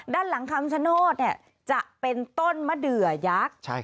ด้านหลังคำชโนธจะเป็นต้นมะเดือยักษ์